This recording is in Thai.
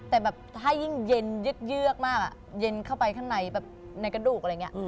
แต่แบบถ้ายิ่งเย็นเยือกมากเย็นเข้าไปข้างในแบบในกระดูกอะไรอย่างนี้